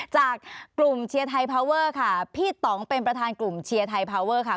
จากกลุ่มเชียร์ไทยพาวเวอร์ค่ะพี่ต่องเป็นประธานกลุ่มเชียร์ไทยพาวเวอร์ค่ะ